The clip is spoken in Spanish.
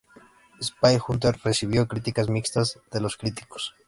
Spy Hunter recibió críticas mixtas de los críticos.